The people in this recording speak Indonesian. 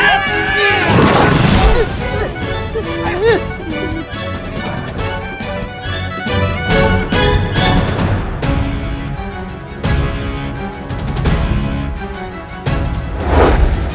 apakah kamu berani setup love